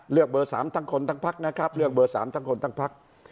เลือกเบอร์๓ทั้งคนทั้งพักนะครับเลือกเบอร์๓ทั้งคนทั้งพัก